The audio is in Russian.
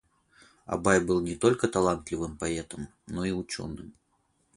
Абай был не только талантливым поэтом, но и ученым.